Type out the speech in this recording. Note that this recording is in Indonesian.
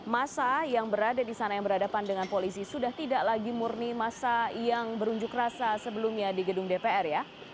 masa yang berada di sana yang berhadapan dengan polisi sudah tidak lagi murni masa yang berunjuk rasa sebelumnya di gedung dpr ya